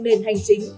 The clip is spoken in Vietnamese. nền hành chính